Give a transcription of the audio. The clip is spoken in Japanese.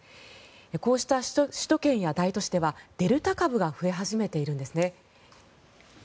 こうした首都圏や大都市ではデルタ株が増え始めているんですね。